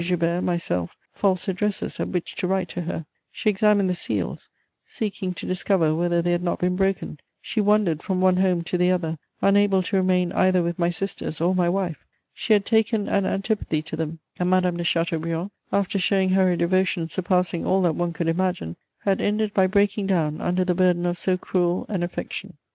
Joubert, myself, false addresses at which to write to her; she examined the seals, seeking to discover whether they had not been broken; she wandered from one home to the other, unable to remain either with my sisters or my wife; she had taken an antipathy to them, and Madame de Chateaubriand, after showing her a devotion surpassing all that one could imagine, had ended by breaking down under the burden of so cruel an affection.